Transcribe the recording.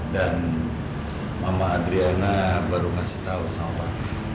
dan mama adriana baru ngasih tau sama papi